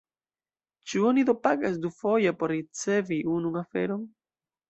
Ĉu oni do pagas dufoje por ricevi unu aferon?